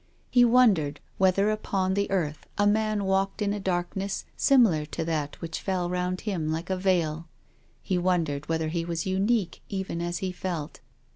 He wondered whether upon the earth a man walked in a darkness similar to that which fell round him like a veil. He wondered whether he was unique, even as he felt.